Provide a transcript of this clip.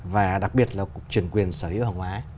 và đặc biệt là chuyển quyền sở hữu hàng hóa